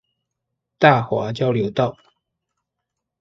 大華交流道